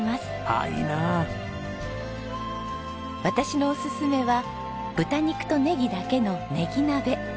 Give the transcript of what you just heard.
私のおすすめは豚肉とねぎだけのねぎ鍋。